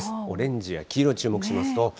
オレンジや黄色に注目しますと。